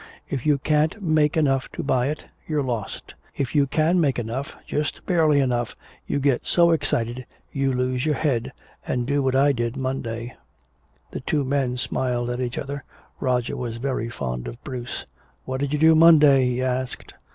If you can't make enough to buy it, you're lost. If you can make enough, just barely enough, you get so excited you lose your head and do what I did Monday." The two men smiled at each other. Roger was very fond of Bruce. "What did you do Monday?" he asked.